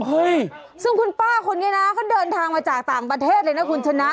เฮ้ยซึ่งคุณป้าคนนี้นะเขาเดินทางมาจากต่างประเทศเลยนะคุณชนะ